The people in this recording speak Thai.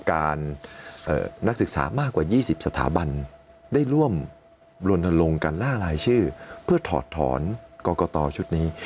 นักศึกษามากกว่า๒๐สถาบันได้ร่วมลนลงการล่ารายชื่อเพื่อถอดถอนกรกตชุดนี้